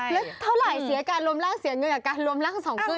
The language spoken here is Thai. แล้วเท่าไหร่เสียการรวมร่างเสียเงินกับการรวมร่าง๒คืน